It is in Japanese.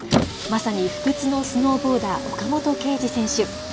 まさに不屈のスノーボーダー岡本圭司選手。